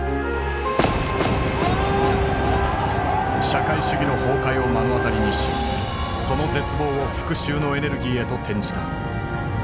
社会主義の崩壊を目の当たりにしその絶望を復讐のエネルギーへと転じた。